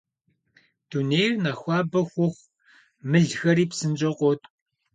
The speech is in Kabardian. Дунейр нэхъ хуабэ хъуху, мылхэри псынщӀэу къоткӀу.